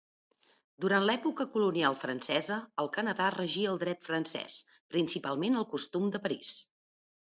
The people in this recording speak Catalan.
Durant l'època colonial francesa, al Canadà regia el dret francès, principalment el Costum de París.